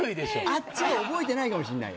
あっちは覚えてないかもしんない